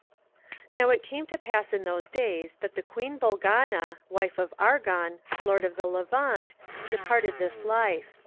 Now it came to pass in those days that the Queen BoLGANA, wife of Argon, Lord of the Levant, departed this life.